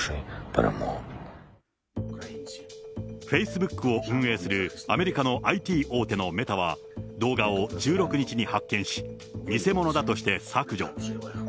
フェイスブックを運営するアメリカのＩＴ大手のメタは、動画を１６日に発見し、偽物だとして削除。